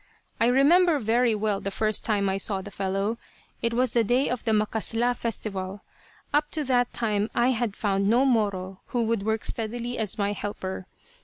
I remember very well the first time I saw the fellow. It was the day of the "macasla" festival. Up to that time I had found no Moro who would work steadily as my helper.